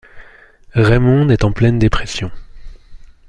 Raymonde est en pleine dépression.